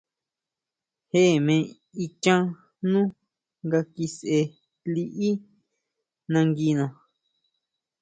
Je me ichán nú nga kisʼe liʼí nanguina.